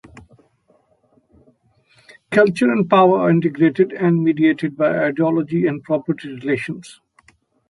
Culture and power are integrated, and mediated by ideology and property relations.